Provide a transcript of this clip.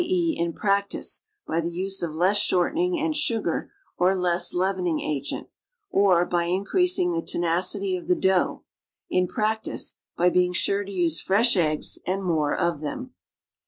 e., in practice, by the use of less shortening and sugar or less leavening agent; or, by increasing the tenacity of the dough; in practice, by being sure to use fresh eggs and more of them.